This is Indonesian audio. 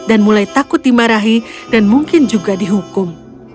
dan mulai takut dimarahi dan mungkin juga dihukum